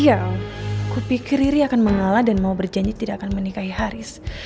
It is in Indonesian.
ya kupikir riri akan mengalah dan mau berjanji tidak akan menikahi haris